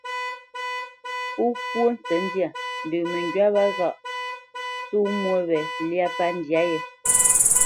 Pó kwó ntsə̌tndyâ, ndə məŋgywá wâ ghâʼ só mwô wě lyá pə́ ndyâ yē.